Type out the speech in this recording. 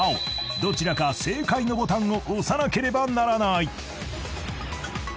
どちらか正解のボタンを押さなければならない］